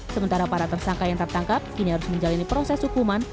sementara para tersangka yang tertangkap kini harus menjalani proses hukuman